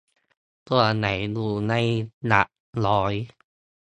ส่วนใหญ่อยู่ในหลักร้อย